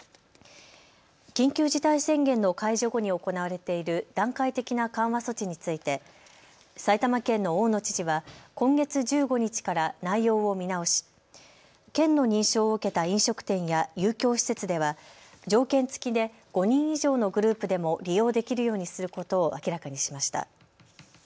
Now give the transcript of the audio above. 緊急事態宣言の解除後に行われている段階的な緩和措置について埼玉県の大野知事は今月１５日から内容を見直し県の認証を受けた飲食店や遊興施設では条件付きで５人以上のグループでも利用できるようにすることを明らかにしました。